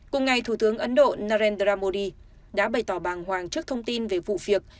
cùng ngày thủ tướng ấn độ narendra modi đã bày tỏ bàng hoàng trước thông tin về vụ việc